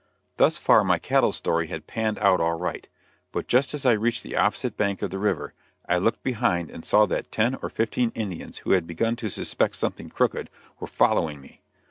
Thus far my cattle story had panned out all right; but just as I reached the opposite bank of the river, I looked behind and saw that ten or fifteen Indians who had begun to suspect something crooked, were following me.